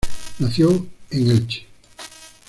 Nació el en Elche.